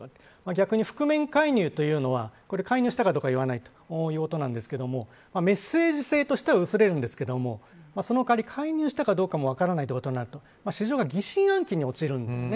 逆に、覆面介入というのは介入したかどうか言わないってことなんですけどメッセージ性としては薄れるんですがそのかわり介入したかどうかも分からないとなると市場が疑心暗鬼に陥るんです。